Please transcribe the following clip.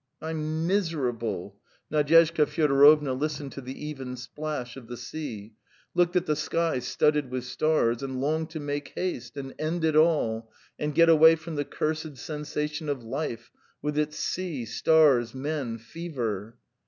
"I'm miserable. ..." Nadyezhda Fyodorovna listened to the even splash of the sea, looked at the sky studded with stars, and longed to make haste and end it all, and get away from the cursed sensation of life, with its sea, stars, men, fever.